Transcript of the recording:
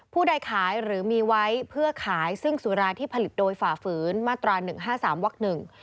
ผู้ได้ขายหรือมีไว้เพื่อขายซึ่งสุราที่ผลิตโดยฝ่าฝืนมาตรา๑๕๓วักหนึ่ง